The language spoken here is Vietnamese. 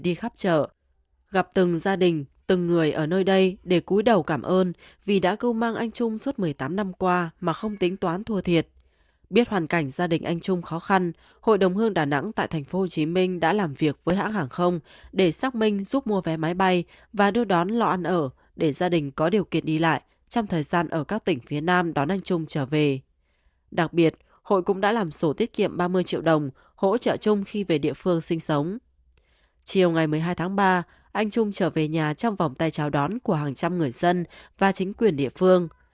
chiều ngày một mươi hai tháng ba anh trung trở về nhà trong vòng tay chào đón của hàng trăm người dân và chính quyền địa phương